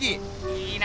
いいな。